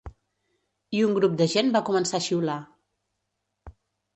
I un grup de gent va començar a xiular.